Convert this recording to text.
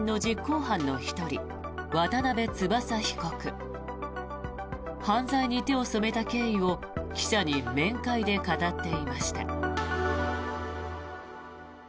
犯罪に手を染めた経緯を記者に面会で語っていました。